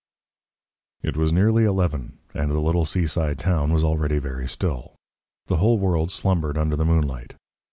It was nearly eleven, and the little seaside town was already very still. The whole world slumbered under the moonlight.